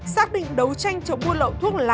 xác định đấu tranh cho buồn lậu thuốc lá